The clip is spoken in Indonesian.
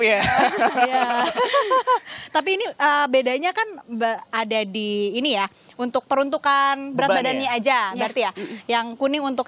ya tapi ini bedanya kan ada di ini ya untuk peruntukan berat badannya aja berarti ya yang kuning untuk